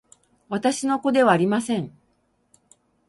私の子ではありません